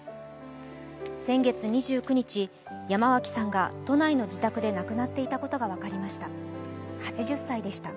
先月２９日、山脇さんが都内の自宅で亡くなっていたことが分かりました。